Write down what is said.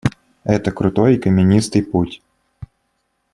Это крутой и каменистый путь.